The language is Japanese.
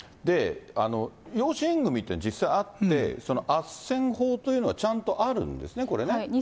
養子縁組って実際あって、あっせん法というのがちゃんとあるんですね、これね。